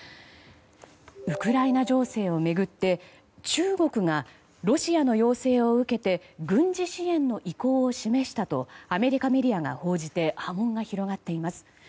ウクライナ情勢を巡って中国がロシアの要請を受けて軍事支援の意向を示したとアメリカメディアが報じて波紋が広がっています。